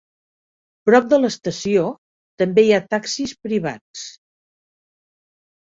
Prop de l"estació també hi ha taxis privats.